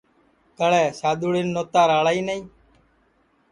کڑے سادؔوݪین نوتا راݪا ہی نائی